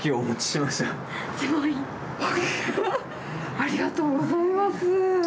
ありがとうございます！